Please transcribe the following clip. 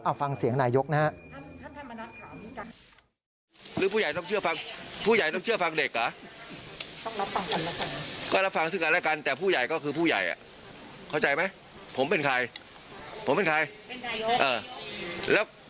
เอาฟังเสียงนายกนะฮะ